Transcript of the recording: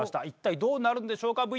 一体どうなるんでしょうか？